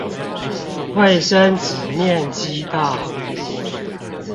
衛生紙面積大